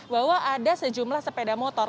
bahwa ada sejumlah sepeda motor